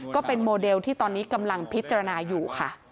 ก็เป็นโมเดลที่ตอนนี้กำลังพิจารณาอยู่ค่ะ